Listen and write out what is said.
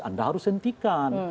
anda harus hentikan